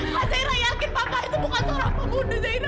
mas zaira yakin papa itu bukan seorang pembunuh zaira